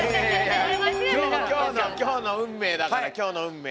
今日の運命だから今日の運命。